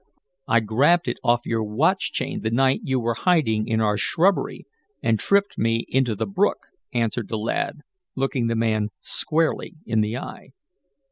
"I grabbed it off your watch chain the night you were hiding in our shrubbery, and tripped me into the brook," answered the lad, looking the man squarely in the eye.